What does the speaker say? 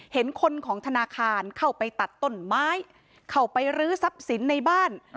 เห็นคนของธนาคารเข้าไปตัดต้นไม้เข้าไปรื้อทรัพย์สินในบ้าน